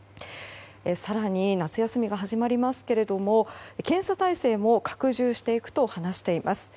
更に、夏休みが始まりますが検査体制も拡充していくと話しています。